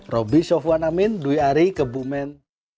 roby sofwan amin dwi ari kebumen